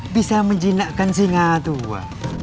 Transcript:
bisa menjinakkan singa tua